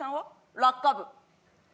落下部。